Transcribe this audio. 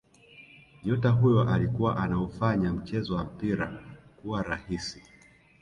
Nyota huyo alikuwa anaufanya mchezo wa mpira kuwa rahisi